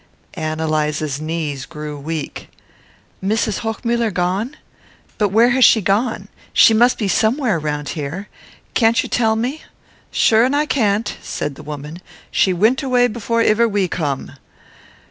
Ann Eliza's knees grew weak. "Mrs. Hochmuller gone? But where has she gone? She must be somewhere round here. Can't you tell me?" "Sure an' I can't," said the woman. "She wint away before iver we come."